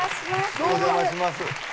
お邪魔します。